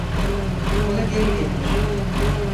Onu geri getir!